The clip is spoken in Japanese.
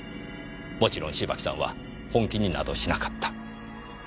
もちろん芝木さんは本気になどしなかった。